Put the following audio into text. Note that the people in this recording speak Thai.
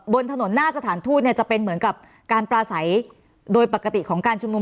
บนถนนหน้าสถานทูตเนี่ยจะเป็นเหมือนกับการปลาใสโดยปกติของการชุมนุม